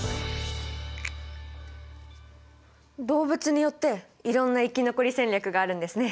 動物によっていろんな生き残り戦略があるんですね。